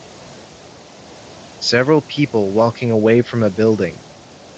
Several people walking away from a building.